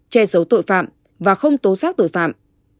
che giấu tội phạm và không tố xác tội phạm